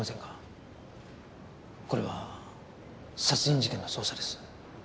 これは殺人事件の捜査です。